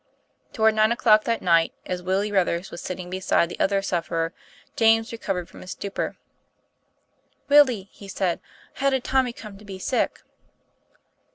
Toward nine o'clock that night, as Willie Ruthers was sitting beside the other sufferer, James recovered from his stupor, TOM PLAYFAIR. 235 "Willie," he said, "how did Tommy come to be sick?"